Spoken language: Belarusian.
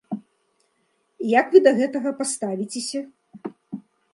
І як вы да гэтага паставіцеся?